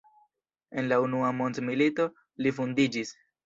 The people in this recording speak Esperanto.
En la unua mondmilito li vundiĝis.